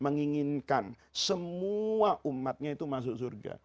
menginginkan semua umatnya itu masuk surga